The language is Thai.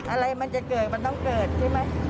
อะไรมันจะเกิดมันต้องเกิดใช่ไหม